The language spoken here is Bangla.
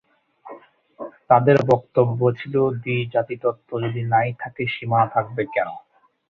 তাদের বক্তব্য ছিল দ্বি-জাতিতত্ব যদি নাই থাকে সীমানা থাকবে কেন?